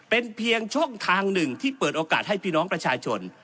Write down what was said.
เป็นเพียงช่องทางหนึ่งที่เปิดโอกาสให้พี่น้องประชาชน